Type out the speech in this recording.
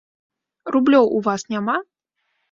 Рублёў у вас няма?